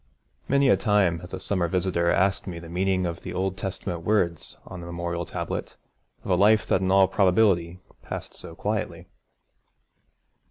Many a time has a summer visitor asked me the meaning of the Old Testament words on the memorial tablet of a life that in all probability passed so quietly.